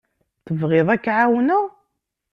Tebɣiḍ ad k-ɛawneɣ?